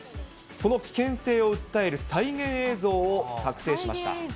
この危険性を訴える再現映像を作成しました。